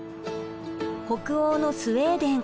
北欧のスウェーデン。